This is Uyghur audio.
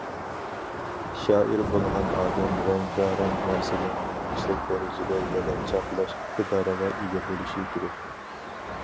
شائىر بولغان ئادەم رەڭگارەڭ نەرسىلەرنى يۈكسەك دەرىجىدە يىغىنچاقلاش ئىقتىدارىغا ئىگە بولۇشى كېرەك.